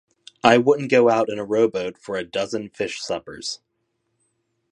I wouldn't go out in a rowboat for a dozen fish suppers.